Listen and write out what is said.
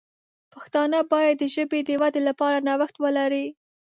پښتانه باید د ژبې د ودې لپاره نوښت ولري.